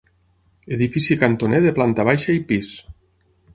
Edifici cantoner de planta baixa i pis.